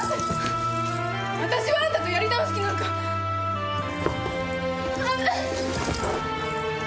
私はあんたとやり直す気なんか離